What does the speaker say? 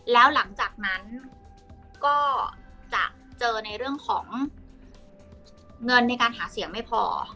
แล้วหลังจากนั้นก็จะเจอในเรื่องของเงินในการหาเสียงไม่พอ